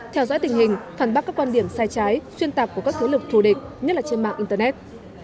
theo dõi tình hình phản bác các quan điểm sai trái xuyên tạp của các thế lực thù địch nhất là trên mạng internet